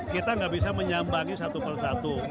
kita gak bisa menyambangi satu per satu